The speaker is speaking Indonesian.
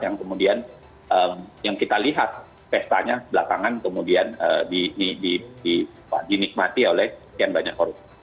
yang kemudian yang kita lihat pestanya belakangan kemudian dinikmati oleh sekian banyak korupsi